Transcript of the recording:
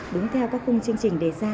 đúng theo các khung chương trình